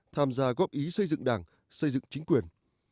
tham gia góp ý xây dựng đảng xây dựng chính quyền